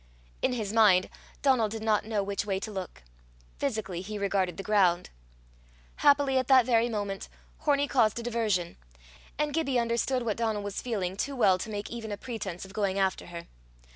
In his mind Donal did not know which way to look; physically, he regarded the ground. Happily at that very moment Hornie caused a diversion, and Gibbie understood what Donal was feeling too well to make even a pretence of going after her.